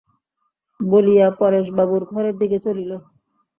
বলিয়া পরেশবাবুর ঘরের দিকে চলিল।